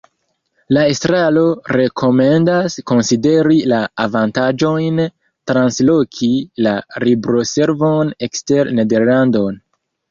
La estraro rekomendas konsideri la avantaĝojn transloki la Libroservon ekster Nederlandon.